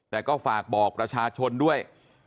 แต่ก็ฝากบอกประชาชนด้วย